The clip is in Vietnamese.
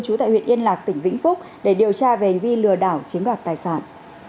trú tại huyện yên lạc tỉnh vĩnh phúc để điều tra về hành vi lừa đảo chiếm đoạt tài sản